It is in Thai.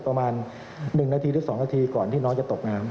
ประมาณ๑นาทีหรือ๒นาทีก่อนที่น้องจะตกน้ำ